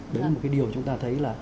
đấy là một điều chúng ta thấy